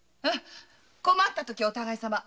困った時はお互いさま。